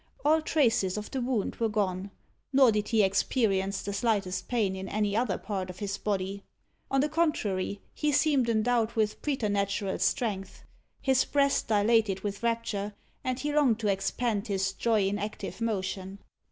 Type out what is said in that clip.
All traces of the wound were gone; nor did he experience the slightest pain in any other part of his body. On the contrary, he seemed endowed with preternatural strength. His breast dilated with rapture, and he longed to expand his joy in active motion.